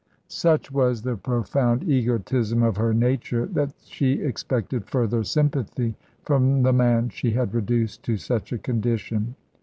Such was the profound egotism of her nature that she expected further sympathy from the man she had reduced to such a condition.